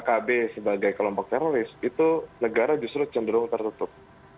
pkb sebagai kelompok teroris itu negara justru cenderung tertutup